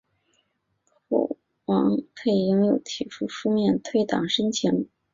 后王佩英又提出书面退党申请。